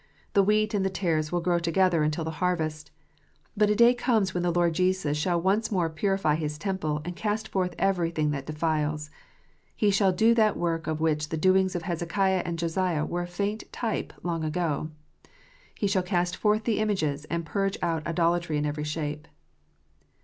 The wheat and the tares will grow together until the harvest. But a day comes when the Lord Jesus shall once more purify His temple, and cast forth everything that denies. He shall do that work of which the doings of Hezekiah and Josiah were a faint type long ago. He shall cast forth the images, and purge out idolatry in every shape.